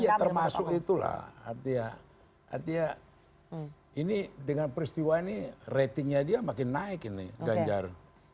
iya termasuk itulah artinya ini dengan peristiwa ini ratingnya dia makin naik ini ganjar